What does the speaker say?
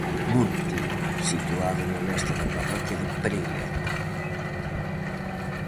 Monte situado no leste da parroquia de Pereira.